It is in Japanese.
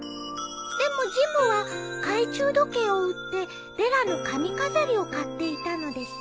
「でもジムは懐中時計を売ってデラの髪飾りを買っていたのです」